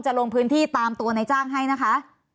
ลงพื้นที่ตามตัวในจ้างให้นะคะ